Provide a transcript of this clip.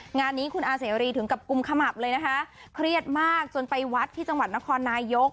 งานนี้คุณอาเสรีถึงกับกุมขมับเลยนะคะเครียดมากจนไปวัดที่จังหวัดนครนายก